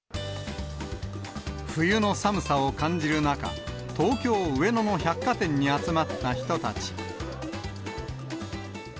冬の寒さを感じる中、東京・上野の百貨店に集まった人たち。